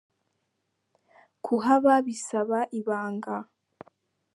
Kuhaba bisaba ibanga